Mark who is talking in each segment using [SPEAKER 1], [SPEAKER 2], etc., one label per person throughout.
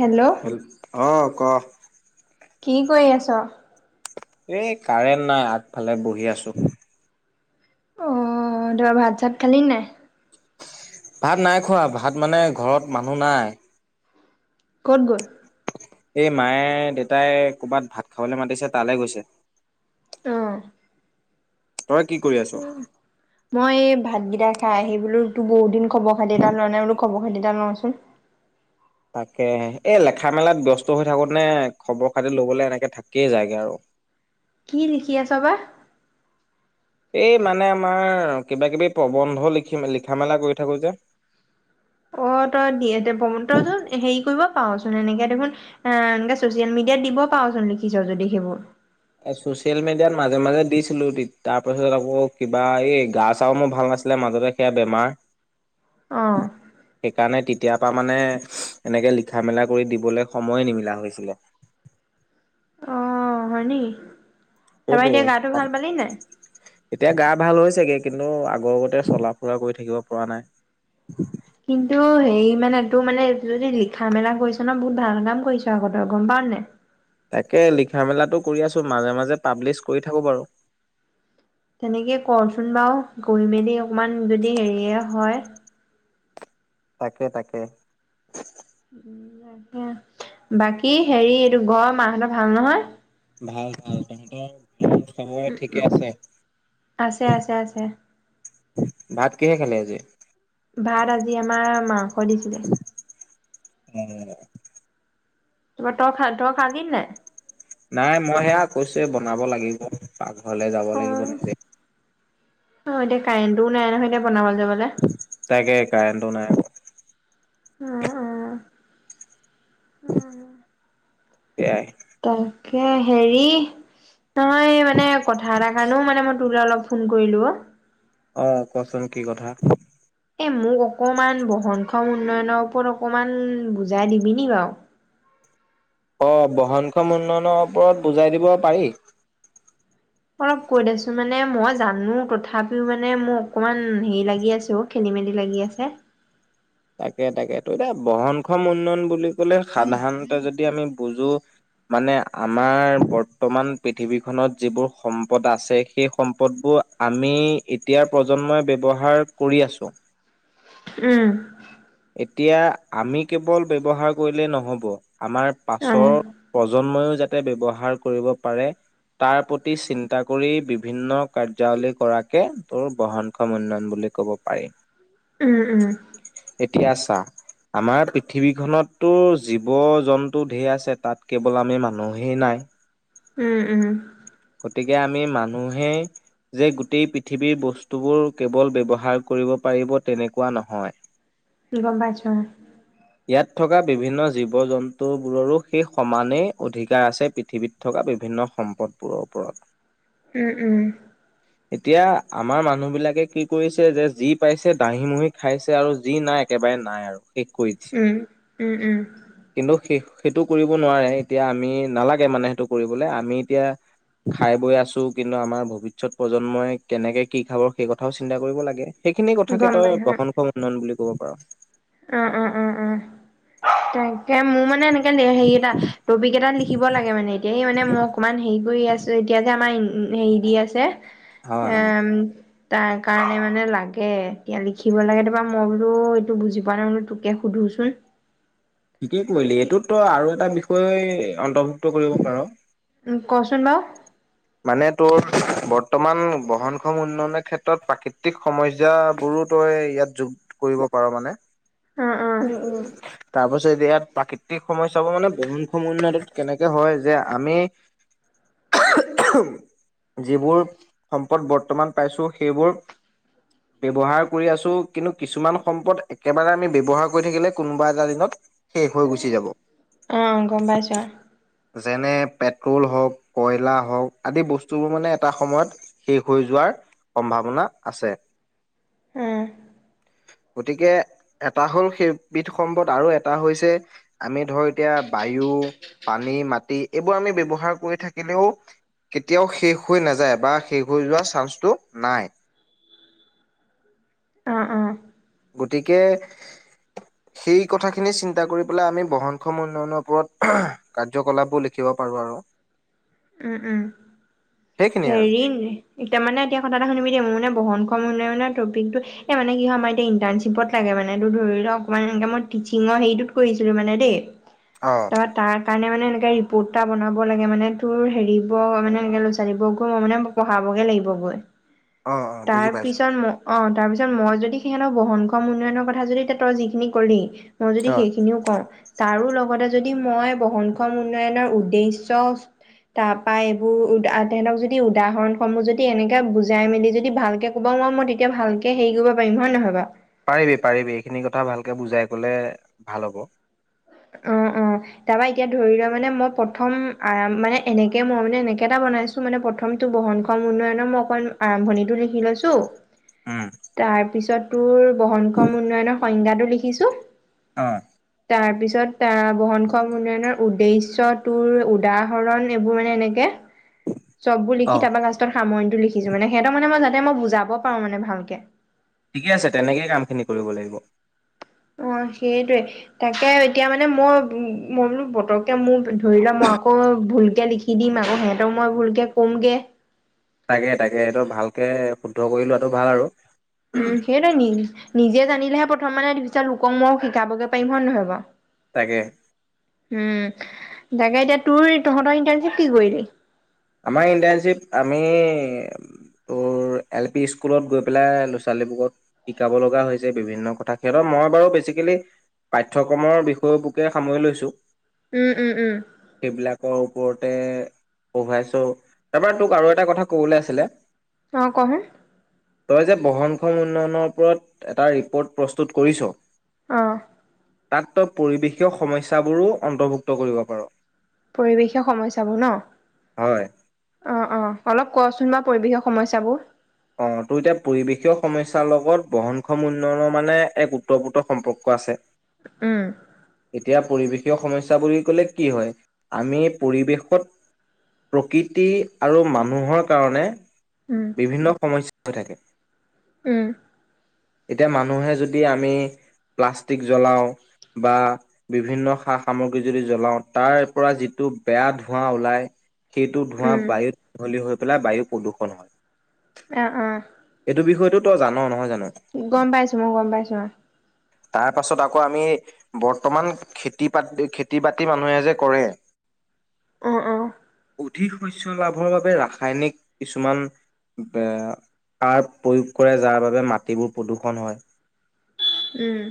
[SPEAKER 1] Hello
[SPEAKER 2] অ ক
[SPEAKER 1] কি কৰি আছ
[SPEAKER 2] এ কাৰেণ্ট নাই আগফালে বহি আছো
[SPEAKER 1] অ ধৰা ভাত চাত খালি নাই
[SPEAKER 2] ভাত নাই খোৱা ভাত মানে ঘৰত মানুহ নাই
[SPEAKER 1] ক'ত গল
[SPEAKER 2] এই মায়ে দেতাই কৰ'ৰবাত ভাত খাবলৈ মাতিছে তালৈ গৈছে
[SPEAKER 1] অ'।
[SPEAKER 2] তই কি কৰি আছ
[SPEAKER 1] মই এই ভাতকেইটা খাই আহি বোলো তোৰ বহুত দিন খবৰ খাতি এটা লোৱা নাই বোলো খবৰ খাতি এটা লওঁচোন
[SPEAKER 2] তাকেে এই লেখা মেলাত ব্যস্ত হৈ থাকোঁতে খবৰ খাতি লবলে এনেকে থাকিয়েই যায়গে আৰু
[SPEAKER 1] কি লিখি আছ বা
[SPEAKER 2] এই মানে আমাৰ কিবা কিবি প্ৰবন্ধ লিখি লিখা মেলা কৰি থাকোঁ যে
[SPEAKER 1] অ তই তইচোন হেৰি কৰিব পাৰচোন এনেকে দেখোন এ এ চচিয়েল মিডিয়াত দিব পাৰচোন লিখিছ যদি সেইবোৰ
[SPEAKER 2] ছ'চিয়েল মিডিয়াত মাজে মাজে দিছিলোঁ তাৰপাছত আকৌ কিবা এই গা চা মোৰ ভাল নাছিলে মাজতে সেয়া বেমাৰ
[SPEAKER 1] অ
[SPEAKER 2] সেইকাৰণে তেতিয়াৰ পৰা মানে এনেকে লিখা মেলা কৰি দিবলৈ সময় নিমিলা হৈছিলে
[SPEAKER 1] অ হয় নি তাপা
[SPEAKER 2] সেইটোৱে।
[SPEAKER 1] এতিয়া গাটো ভাল পালি নাই
[SPEAKER 2] এতিয়া গা ভাল হৈছেগে কিন্তু আগৰ আগতে চলা ফুৰা কৰি থাকিব পৰা নাই
[SPEAKER 1] কিন্তু হে মানে তো মানে যদি লিখা মেলা কৰিছ ন বহুত ভাল কাম কৰিছ আক তই গম পাও নাই
[SPEAKER 2] তাকে লিখা মেলাটো কৰি আছোঁ মাজে মাজে পাব্লিছ কৰি থাকোঁ বাৰু
[SPEAKER 1] তেনেকে কৰচোন বাৰু গৈ মেলি অকমান যদি হেৰিয়ে হয়
[SPEAKER 2] তাকে তাকে
[SPEAKER 1] বাকী হেৰি এইটো ঘৰৰ মাহঁতৰ ভাল নহয়
[SPEAKER 2] ভাল ভাল তহঁতৰ চবৰ
[SPEAKER 1] উম
[SPEAKER 2] ঠিকে আছে
[SPEAKER 1] আছে আছে আছে
[SPEAKER 2] ভাত কিহে খালে আজি
[SPEAKER 1] ভাত আজি আমাৰ মা, আনিছিলে
[SPEAKER 2] উম',
[SPEAKER 1] [unintelligible] [unintelligible]
[SPEAKER 2] নাই মই সেয়া কৈছোৱে, বনাব লাগিব প, ঘৰলে যাব
[SPEAKER 1] অ
[SPEAKER 2] লাগিব নিজে,
[SPEAKER 1] অ', এতিয়া কাৰেণ্ট টো নাই-নহয় এতিয়া বনাবলে
[SPEAKER 2] তাকে কাৰেণ্ট টো নাই,
[SPEAKER 1] উম্-উম্ -উম্
[SPEAKER 2] সেয়াই,
[SPEAKER 1] তাকে হেৰি', নহয় মানে কথা এটাৰ কাৰণেও মানে মই তোৰ তালৈ অলপ ফোন কৰিলো অ',
[SPEAKER 2] অ', কোৱাচোন কি কথা?
[SPEAKER 1] এ মোক অকমান বহনক্ষম উন্নয়নৰ ওপৰত অকমান বুজাই দিবি নি', বাৰু?
[SPEAKER 2] অ', বহনখন উন্নয়নৰ ওপৰত বুজাই দিব পাৰি।
[SPEAKER 1] অলপ কৈ দেছো, মানে মই জানো তথাপিও মানে মোৰ, অকমান হেৰি লাগি আছে অ', খেলি-মেলি লাগি আছে।
[SPEAKER 2] তাকে-তাকে তো', -এতিয়া বহনক্ষ উন্নয়ন বুলি ক'লে -সাধাৰণতে যদি আমি বুজো মানে আমাৰ বৰ্তমান পৃথিৱীখনত যিবোৰ সম্পদ আছে, সেই সম্পদবোৰ আমি এতিয়াৰ প্ৰজন্মই ব্যৱহাৰ কৰি আছো
[SPEAKER 1] উম',
[SPEAKER 2] এতিয়া আমি কেৱল ব্যৱহাৰ কৰিলে নহ'ব, আমাৰ
[SPEAKER 1] অ
[SPEAKER 2] পাছৰ প্ৰজন্মইও, যাতে ব্যৱহাৰ কৰিব পাৰে, তাৰ প্ৰতি চিন্তা কৰি বিভিন্ন -কাৰ্যাৱলী কৰাকে তোৰ বহনক্ষম উন্নয়ন বুলি কব পাৰি।
[SPEAKER 1] উম', - উম',
[SPEAKER 2] এতিয়া চা', আমাৰ পৃথিৱীখনততো জীৱ জন্তু ঢেৰ আছে তাত কেৱল আমি মানুহেই নাই,
[SPEAKER 1] উম-উম।
[SPEAKER 2] গতিকে আমি মানুহেই যে গোটেই পৃথিৱীৰ বস্তুবোৰ কেৱল ব্যৱহাৰ কৰিব পাৰিব, তেনেকুৱা নহয়।
[SPEAKER 1] গম পাইছো,
[SPEAKER 2] ইয়াত থকা বিভিন্ন জীৱ-জন্তুবোৰৰো সেই- সমানেই অধিকাৰ আছে, পৃথিৱীত থকা বিভিন্ন সম্পদবোৰৰ ওপৰত।
[SPEAKER 1] উম', - উম',
[SPEAKER 2] এতিয়া আমাৰ মানুহ বিলাকে কি কৰিছে ', যে- যি পাইছে দাঙি - মুহি খাইছে আৰু যি', - নাই -একেবাৰে নাই আৰু, কৰি দিছে।
[SPEAKER 1] উম-উম-উম,
[SPEAKER 2] কিন্তু সেই সেইটো কৰিব নোৱাৰে, এতিয়া আমি নালাগে মানে সেইটো কৰিবলৈ আমি এতিয়া খায়-বৈ আছোঁ ।কিন্তু আমাৰ ভৱিষ্যত প্ৰজন্মই কেনেকৈ কি খাব সেই কথাও চিন্তা কৰিব লাগে। সেইখিনি কথাকে
[SPEAKER 1] গম
[SPEAKER 2] তই', প্ৰসংস উন্নয়ন বুলি, ক'ব পাৰোঁ।
[SPEAKER 1] অহ-অহ -অহ -অহ টাইম। মোৰ মানে এনেকে হেৰি এটা টপিক এটা লিখিব লাগে, মানে এতিয়া মানে মই অকণমান হেৰি কৰি আছো এতিয়া যে', আমাৰ উম ', হেৰি দি আছে।
[SPEAKER 2] হয় হয়
[SPEAKER 1] উম। তাৰ কাৰণে মানে লাগে এতিয়া লিখিব লাগে তোমাৰ ', -মই বোলো এইটো বুজি পোৱা নাই বোলো তোকে সুধোচোন
[SPEAKER 2] কি', -কি ', কৰিলি এইটোততো আৰু এটা বিষয়, তই অন্তৰ্ভুক্ত কৰিব পাৰ,
[SPEAKER 1] উম, কচোন বাৰু,
[SPEAKER 2] মানে তোৰ বৰ্তমান বহনক্ষম উন্নয়নৰ ক্ষেত্ৰত প্ৰাকৃতিক সমস্যাবোৰো তই ইয়াত যোগ কৰিব পাৰ মানে। উম উম তাৰ পাছত ইয়াত প্ৰাকৃতিক সমস্যাবোৰ মানে বহনক্ষম উন্নয়নত কেনেকে হয় যে আমি যিবোৰ সম্পদ বৰ্তমান পাইছো সেইবোৰ ব্যৱহাৰ কৰি আছো কিন্তু কিছুমান সম্পদ একেবাৰে আমি ব্যৱহাৰ কৰি থাকিলে কোনোবা এটা দিনত শেষ হৈ গুচি যাব
[SPEAKER 1] অ', গম পাইছো
[SPEAKER 2] যেনে পেট্ৰল হওক কয়লাৰ হওক আদি বস্তুবোৰ মানে এটা সময়ত শেষ হৈ যোৱাৰ সম্ভাৱনা আছে
[SPEAKER 1] উম,
[SPEAKER 2] গতিকে। এটা হ'ল সেইবিধ সম্পদ আৰু এটা হৈছে আমি ধৰ এতিয়া বায়ু পানী মাটি এইবোৰ আমি ব্যৱহাৰ কৰি থাকিলেও কেতিয়াও শেষ হৈ নাযায় বা শেষ হৈ যোৱা চান্সটো নাই?
[SPEAKER 1] অ অ
[SPEAKER 2] গতিকে সেই কথাখিনি চিন্তা কৰি পেলাই আমি বহনক্ষম উন্নয়নৰ ওপৰত কাৰ্যকলাপো লিখিব পাৰোঁ আৰু।
[SPEAKER 1] উম উম
[SPEAKER 2] সেইখিনিয়ে আৰু
[SPEAKER 1] হেৰি ন এতিয়া মানে এতিয়া কথা এটা শুনিবি দেই মোৰ মানে বহন? ক্ষম উন্নয়নৰ টপিকটো এই মানে কি হয় আমাৰ এতিয়া ইটাৰ্ণশ্বিপত লাগে মানে ধৰি লও অকণমান এ মই টিচিঙৰ হেৰিটোত কৰিছিলো মানে দেই।
[SPEAKER 2] অ
[SPEAKER 1] তাৰ তাৰ কাৰণে মানে এনেকে ৰিপৰ্ট এটা বনাব লাগে মানে তোৰ হেৰিব মানে এ। জানিব গৈ মই মানে পঢ়াবগে লাগিব গৈ।
[SPEAKER 2] অ অ
[SPEAKER 1] তাৰ
[SPEAKER 2] বুজি পাইছো
[SPEAKER 1] পিছত মই। অ তাৰ পিছত মই যদি সিহঁতক বহনক্ষম উন্নয়নৰ কথা যদি তই যিখিনি কলি। মই যদি
[SPEAKER 2] অ
[SPEAKER 1] সেইখিনিও কওঁ তাৰো। লগতে যদি মই বহনক্ষম উন্নয়নৰ উদ্দেশ্যে তাৰ পৰা এইবোৰ তেহেঁতক যদি উদাহৰণসমূহ যদি এনেকে বুজাই মেলি যদি। যদি ভালকে ক'ব নোৱাৰো মই তেতিয়া ভালকে হেৰি কৰিব পাৰিম হয় নহয় বাৰু।
[SPEAKER 2] পাৰিবি পাৰিবি এইখিনি কথা ভালকে বুজাই ক'লে ভাল হ'ব।
[SPEAKER 1] অ অ তাৰপৰা এতিয়া ধৰি লোৱা মানে মই প্ৰথম মানে এনেকে মই মানে এনেকে এটা বনাইছোঁ মানে প্ৰথমটো বহনক্ষম উন্নয়নৰ মই অকমান আৰম্ভণিটো লিখি লৈছোঁ।
[SPEAKER 2] উম
[SPEAKER 1] তাৰ পিছত। তোৰ বহনক্ষ উন্নয়নৰ সংজ্ঞাটো লিখিছোঁ
[SPEAKER 2] অ
[SPEAKER 1] তাৰপিছত। তাহ বহনখন উন্নয়নৰ। উদ্দেশ্য তোৰ উদাহৰণ এইবোৰ মানে এনেকে। চববোৰ
[SPEAKER 2] অ
[SPEAKER 1] লিখি তাৰ পৰা লাষ্টত সামৰিণটো লিখিছোঁ মানে হেতৰ মানে মই যাতে। [inaudible] মই বুজাব পাৰোঁ মানে ভালকে।
[SPEAKER 2] ঠিকে আছে তেনেকেই কামখিনি কৰিব লাগিব।
[SPEAKER 1] অ সেইটোৱে তাকে এতিয়া মানে মই মই বোলোঁ পতকে মোৰ ধৰি লোৱা মই আকৌ ভুলকে লিখি দিম আকৌ সিহঁতক মই ভুলকে কমগে।
[SPEAKER 2] তাকে তাকে এইটো ভালকে শুদ্ধ কৰি লোৱাটো ভাল আৰু।
[SPEAKER 1] উম সেইটোৱে নি। নিজে জানিলেহে প্ৰথম মানে পিছত মই লোকক শিকাবগৈ পাৰিম হয় নহয় বাৰু।
[SPEAKER 2] তাকে
[SPEAKER 1] উম তাকে এতিয়া তোৰ তহঁতৰ ইণ্টাৰ্ণশ্বিপ কি কৰিলি।
[SPEAKER 2] আমাৰ ইণ্টাৰ্ণশ্বিপ আমি তোৰ এল পি স্কুলত গৈ পেলাই ল'ৰা ছোৱালীবোৰক শিকাব লগা হৈছে বিভিন্ন কথা সিহঁতৰ মই বাৰু বেছিকেলি পাঠ্যক্ৰমৰ বিষয় বুকে সামৰি লৈছোঁ।
[SPEAKER 1] উম উম উম
[SPEAKER 2] ওপৰতে পঢ়াইছোঁ তাৰপৰা তোক আৰু এটা কথা ক'বলে আছিলে।
[SPEAKER 1] অ ক চোন।
[SPEAKER 2] তই যে বহনক্ষ উন্নয়নৰ ওপৰত এটা ৰিপ'ৱট প্ৰস্তুত কৰিছ।
[SPEAKER 1] অ
[SPEAKER 2] তাত তই পৰিৱেশীয় সমস্যাবোৰো অন্ত্ভুক্ত কৰিব পাৰ।
[SPEAKER 1] পৰিৱেশে সমস্যাবোৰ ন।
[SPEAKER 2] হয়
[SPEAKER 1] অ অ অলপ কোৱাচোন বা। পৰিৱেশৰ সমস্যাবোৰ।
[SPEAKER 2] অ তোৰ এতিয়া পৰিৱেশীয় সমস্যাৰ লগত বহনক্ষ উন্নয়নৰ মানে এক উত্তৰপ্ৰোত্ত সম্পৰ্ক আছে।
[SPEAKER 1] উম,
[SPEAKER 2] এতিয়া পৰিৱেশীয় সমস্যা বুলি ক'লে কি হয় আমি পৰিৱেশ। ক'ত প্ৰকৃতি আৰু মানুহৰ কাৰণে
[SPEAKER 1] উম,
[SPEAKER 2] বিভিন্ন। সমস্যা হৈ থাকে।
[SPEAKER 1] উম
[SPEAKER 2] এতিয়া মানুহে যদি আমি প্লাষ্টিক জ্বলাও বা বিভিন্ন সা সামগ্ৰী যদি জ্বলাওঁ তাৰ পৰা যিটো বেয়া ধোঁৱা ওলায় সেইটো ধোঁৱা
[SPEAKER 1] উম,
[SPEAKER 2] বায়ুত মিহলি হৈ গ'ল পেলাই বায়ু প্ৰদূষণ হয়।
[SPEAKER 1] অহ-অহ
[SPEAKER 2] এইটো বিষয়টোই জান নহয় জানো?
[SPEAKER 1] গম পাইছো মই, গম পাইছো মই।
[SPEAKER 2] তাৰ পাছত আকৌ আমি বৰ্তমান খেতি পতি-খেতি বাতি মানুহে যে কৰে,
[SPEAKER 1] অ', অ',
[SPEAKER 2] অধিক শস্যৰ লাভৰ বাবে ৰাসায়নিক কিছুমান কাৰ প্ৰয়োগ কৰে যাৰ বাবে মাটিবোৰ প্ৰদূষণ হয়?
[SPEAKER 1] উম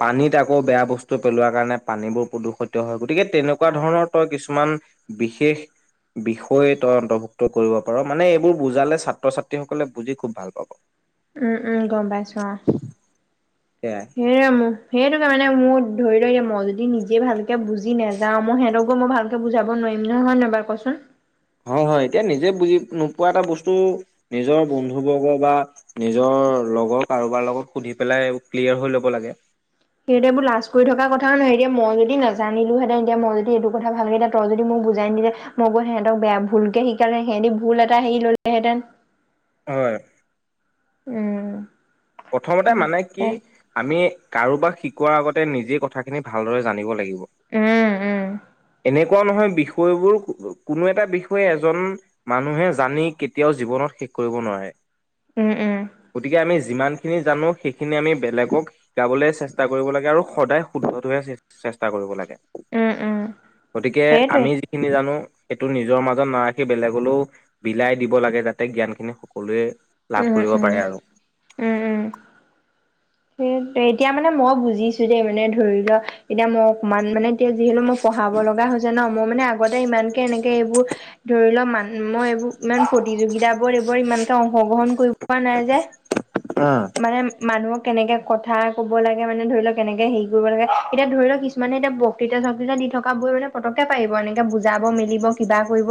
[SPEAKER 2] পানীত আকৌ বেয়া বস্তু পেলোৱা কাৰণে পানীবোৰ প্ৰদূষিত হয় গতিকে তেনেকুৱা ধৰণৰ তই কিছুমান বিশেষ বিষয় তই অন্তৰ্ভুক্ত কৰিব পাৰ মানে এইবোৰ বুজালে ছাত্ৰ ছাত্ৰীস সকলে বুজি খুব ভাল পাব। সেয়াই
[SPEAKER 1] সেয়া মোক সেইটটো কাৰে মানে মোৰ, ধৰি লও এতিয়া মই যদি নিজে ভাল বুজি নে, মই সিহতক মই ভালকে বুজাব নোৱাৰিম নহয় ন বাৰ কচোন?
[SPEAKER 2] হয়-হয় এতিয়া নিজে বুজি নোপোৱা এটা বস্তু নিজৰ বন্ধুবৰ্গ বা নিজৰ লগৰ কাৰোবাৰ লগত সুধি পেলাই ক্লিয়াৰ হৈ ল'ব লাগে
[SPEAKER 1] সিহঁতে এইোৰ লাজ কৰি থকা কথাও নহয় এতিয়া মই যদি নাজানিলোহেঁতেন এতিয়া মই যদি এইটো কথা ভাল লতিয়া তই যদি মোক বুজাই নিদিলে মই কতিহঁতক বেয়া ভুলকে শিকালে সিহঁতি ভুল এটা হেৰি ললেহেঁতেন।
[SPEAKER 2] হয়
[SPEAKER 1] উম
[SPEAKER 2] প্ৰথমতে মানে কি, আমি কাৰোবাক শিকোৱাৰ আগতে নিজেই কথাখিনি ভালদৰে জানিব লাগিব।
[SPEAKER 1] উম-উম।
[SPEAKER 2] এনেকুৱা নহয় বিষয়বোৰ কোনো এটা বিষয়ে এজন মানুহে জানি কেতিয়াও জীৱনত শেষ কৰিব নোৱাৰে।
[SPEAKER 1] উম-উম
[SPEAKER 2] যিমান সখিনি জানো সেইখিনি আমি বেলেগক শিকাবলৈ চেষ্টা কৰিব লাগে আৰু সদায় শুদ্ধত হৈ চেষ্টা কৰিব লাগে।
[SPEAKER 1] উম উম
[SPEAKER 2] গতিকে
[SPEAKER 1] সেইটোৱে
[SPEAKER 2] আমি যিখিনি জানো সেইটো নিজৰ মাজত নাৰাখি বেলেগলৈও বিলাই দিব লাগে যাতে জ্ঞান খিনি সকলোৱে লাভ কৰিব
[SPEAKER 1] উম-উম,
[SPEAKER 2] পাৰে আৰু।
[SPEAKER 1] উম-উম। এতিয়া মানে মই বুজিছো দেই, মানে ধৰি ল এতিয়া মই অকমান মানে এতিয়া যিহেতু মই পঢ়াব লগা হৈছে ন, মই মানে আগতে ইমান কে এনেকে এইবোৰ ধৰি লও মান মই এইবোৰ ইমান প্ৰতিযোগিত বোৰ এইবোৰ ইমানকে অক অংশগ্ৰহণ কৰিব পোৱা নাই যে। মানে মানুহক কেনেকে কথা কব লাগে মানে ধৰি লওক কেনেকে হেৰি কৰিব লাগে এতিয়া ধৰি লওক কিছুমানে এতিয়া বত্তৃকৃতা দি থকা বৈ মানে পতককে পাৰিব এনেকে বুজাব মেলিব কিবা কৰিব।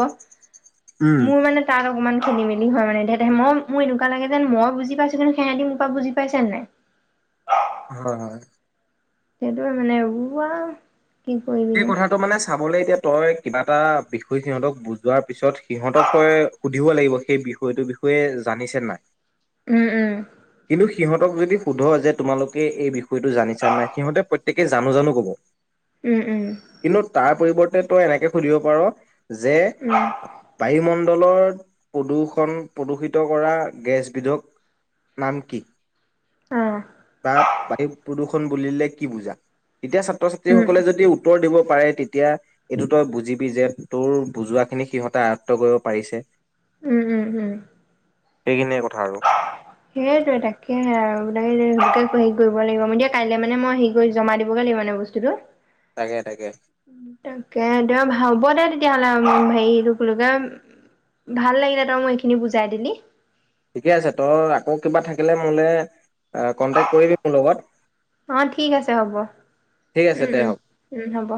[SPEAKER 2] উম।
[SPEAKER 1] মোৰ মানে তাৰক মানে খেলি মেলি হয় মানে দে মই মোৰ এনেকুৱা লাগে যেন মই বুজি পাইছো কিন্তু সিহঁতি মোৰ পৰা বুজি পাইছেন নাই?
[SPEAKER 2] হয়-হয়
[SPEAKER 1] সেইটো মানে উৱা। কি কৰিবি
[SPEAKER 2] সেই
[SPEAKER 1] নো
[SPEAKER 2] কথাটো মানে চাবলৈ এতিয়া তই কিবা এটা বিষয় সিহঁতক বুজোৱাৰ পিছত সিহঁতক তই সুধিব লাগিব সেই বিষয়টোৰ বিষয়ে জানিছে নাই।
[SPEAKER 1] উম উম।
[SPEAKER 2] কিন্তু সিহঁতক যদি সোধ যে তোমালোকে এই বিষয়টো জানিছা নাই সিহঁতে প্ৰত্যেকে জানো জানো কব।
[SPEAKER 1] উম উম।
[SPEAKER 2] কিন্তু তাৰ পৰিৱৰ্তে তই এনেকে সুধিব পাৰ। যে
[SPEAKER 1] উম
[SPEAKER 2] বায়ুমণ্ডল। তলৰ প্ৰদূষণ প্ৰদূষিত কৰা গেছবিধক। নাম কি।
[SPEAKER 1] অ
[SPEAKER 2] তাত বায়ু প্ৰদূষণ। কোন বুলিলে কি বুজা। তেতিয়া ছাত্ৰ
[SPEAKER 1] উম
[SPEAKER 2] ছাত্ৰীসকলে যদি উত্তৰ দিব। পাৰে তেতিয়া এইটো তই বুজিবি যে তোৰ বুজোৱা খিনি সিহঁতে আয়ত্ব কৰিব পাৰিছে।
[SPEAKER 1] উম উম উম।
[SPEAKER 2] সেইখিনিয়ে কথা আৰু।
[SPEAKER 1] সেইটয়ে তাকেহে আৰু সে হেৰি কৰিব লাগিব ম দিয়া কাইলে মানে মই হেৰি কৰি জমা দিবগে লাগিব মানে বস্তুটো।
[SPEAKER 2] তাকে তাকে।
[SPEAKER 1] তাকে দে ভাল হ'ব দে তেতিয়াহ'লে হেৰিতো খোলোতে ভাল লাগিলে তই মই এইখিনি বুজাই দিলি।
[SPEAKER 2] ঠিকে আছে তই আকৌ কিবা থাকিলে মোলে। কন্টেক্ট কৰিবি মোৰ লগত
[SPEAKER 1] অ ঠিক আছে হ'ব
[SPEAKER 2] ঠিক আছে
[SPEAKER 1] উম
[SPEAKER 2] দে হ'ব।
[SPEAKER 1] উম উম হ'ব অ।